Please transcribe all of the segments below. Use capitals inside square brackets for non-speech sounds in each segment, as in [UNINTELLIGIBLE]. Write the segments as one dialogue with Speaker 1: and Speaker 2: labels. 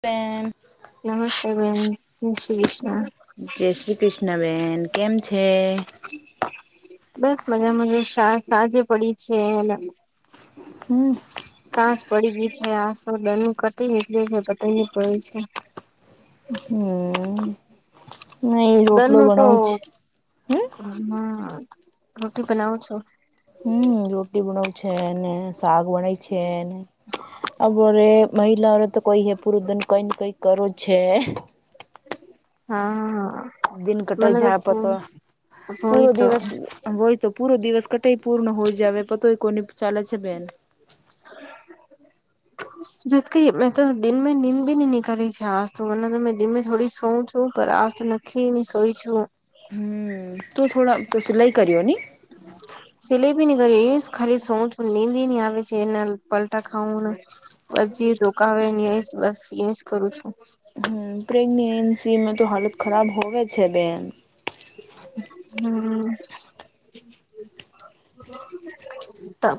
Speaker 1: Spain
Speaker 2: નમસ્તે બેન જય શ્રી કૃષ્ણ
Speaker 1: જય શ્રી કૃષ્ણ બેન કેમ છે
Speaker 2: બસ મજા મા સાક સાકે પડી છે
Speaker 1: હમ્મ
Speaker 2: સાંજ પડી ગઈ છે આસ તો દન કટી નીકળીયો છે પતાઇ નઈ પડયો છે
Speaker 1: હમ્મ એ ના એ રોટલો
Speaker 2: દરનું તો
Speaker 1: બણવું છે હમ્મ
Speaker 2: હા મત રોટી બનાવ છો
Speaker 1: હમ્મ રોટી બનાવું છે એ ને સારૂ એ છે અપોરે મહિલાઓ તો કોઈ હે પૂરો દીન કઈ નને કઈ કરો છે
Speaker 2: હા
Speaker 1: દિન
Speaker 2: મને
Speaker 1: કટાઈ
Speaker 2: તો
Speaker 1: જપતો પૂરો
Speaker 2: હોય તો
Speaker 1: દિવસ હોય તો પૂરો દિવસ કટઇ પૂર્ણ હોય જાવે પતઇ કોની ચાલે છે બેન
Speaker 2: [INAUDIBLE] નથી મે તો દિન મે નિંદ ભી નહિ નીકાલી છે આજતો વરના દિન મે તો થોડી સોવુ છું પર આજ તો કી ની શોઈ છું
Speaker 1: તો થોડા સિલાઈ કર્યો ની
Speaker 2: [INAUDIBLE] સિલેબી નની કર એ જ ખાલી સોઉ છુ નીંદ નઇ આવે છે એના પલટા ખાવું પછી જે ધોકાવે એની ને બસ એ જ કરું છું
Speaker 1: પ્રેગ્નેન્સીમાં તો હાલત ખરાબ હોવે છે બેન
Speaker 2: હમ્મ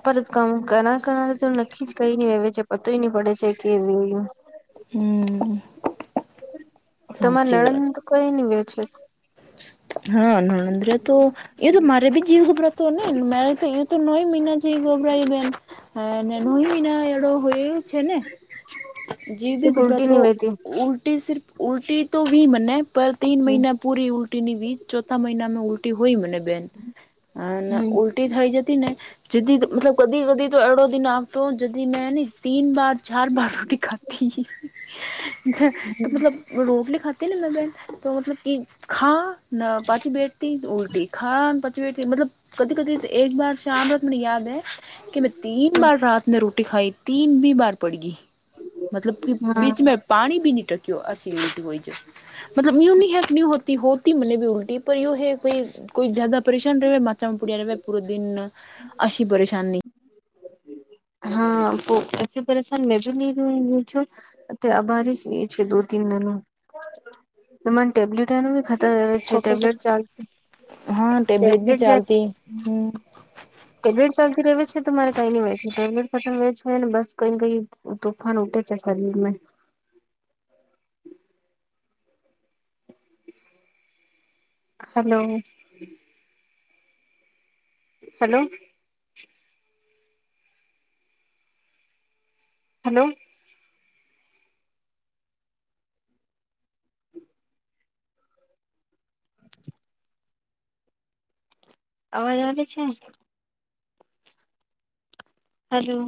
Speaker 2: પરત કામ કર કર તો નક્કી જ કઈ નહી રે કઈ પતોય નહી પડે છે કે
Speaker 1: હમ સાચી
Speaker 2: તમારે
Speaker 1: વાત
Speaker 2: નણંદ કઈ ની વિયો છે
Speaker 1: હા નણંદ્ર તો એ તો મારે બી જીવ ગભરાતો ને મેરેજ થયા નોય મહિના ગોબરાઈ બેન નય મહિના એડ઼ો હોયો છે ને જીવ ભી
Speaker 2: સિર્ફ ઉલટી
Speaker 1: ઘબરાતો
Speaker 2: નહી વહેતી
Speaker 1: તો ઉલ્ટી ઉલટી તો વી મને પર તીન
Speaker 2: હમ
Speaker 1: મહિના પૂરી ઉલ્ટી ની વી ચોથા મહિના મા ઉલ્ટી હોઈ મને બેન એ ન ઉલ
Speaker 2: હમ
Speaker 1: ઉલટી થઈ જતી ને મેં જડી કદી તો એડો દિન આવતો જ મેં તીન બર ચાર બાર રોટલી ખાધી તો મતલબ રોટલી ખાતી ને મે બેન તો મતલબ એ ખા ના પાંચી બે તેન ઉલટી [UNINTELLIGIBLE] કદી કદી એક બાર શામ રો તો મને યાદ હૈ કે મેં તીન બાર
Speaker 2: હમ
Speaker 1: રાત મે રો ખાઈ તીન બી બાર પડ ગઈ મતલબ કે
Speaker 2: હા
Speaker 1: બીચ મે. પાણી બી ની ટક્યો આ સ હોય મતલબ ન્યે. હોતી મને ભી ઉલ્ટટી પર યયો હૈ કોઈ કોઈ જ્યાદા પરેશાન રહે માચા. ભ પૂરો દિન અ પરેશાન નહી.
Speaker 2: હા એસી પરેશાન મેં બી ની હુઈ છું. અ, અભાર જ એ છે. દો-તન જનો તમાને ટેબ્લેટનુ તો છે, ટેબલેટ ચાલતી.
Speaker 1: હા, ટેબલેટ ભી
Speaker 2: ટેબ્લેટ
Speaker 1: ચાલતી. હમ.
Speaker 2: ટેબલેટ ચાલતી રહે છે, તોરે કઈ નઈ હોય છે. ટેબલેટ ખતમ છે ને, બસ કઈને કંઈ. તુફાન ઉઠે છે શરીરમાં. હલો. હલો. હલો. અવાજ આવે છે? હલો.